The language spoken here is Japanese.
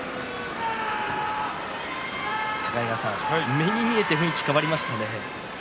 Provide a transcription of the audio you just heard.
目に見えて雰囲気が変わりましたね。